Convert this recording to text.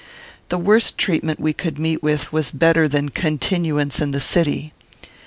The worst treatment we could meet with was better than continuance in the city.